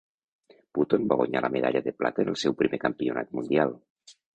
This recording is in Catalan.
Button va guanyar la medalla de plata en el seu primer campionat mundial.